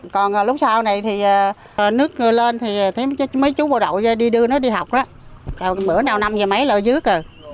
còn lúc sau này thì nước người lên thì mấy chú bộ đội đưa nó đi học